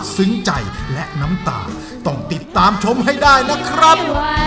ซึ้งใจและน้ำตาต้องติดตามชมให้ได้นะครับ